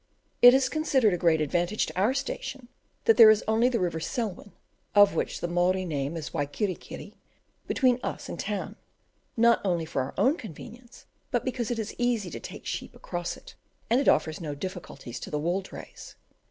It is considered a great advantage to our station that there is only the river Selwyn (of which the Maori name is the Wai kiri kiri) between us and town, not only for our own convenience, but because it is easy to take sheep across it, and it offers no difficulties to the wool drays.